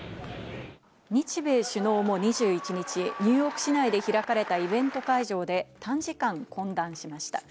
日米首脳も２１日、ニューヨーク市内で開かれたイベント会場で短時間懇談しました。